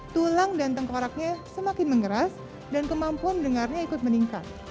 tulang dan tengkoraknya semakin mengeras dan kemampuan dengarnya ikut meningkat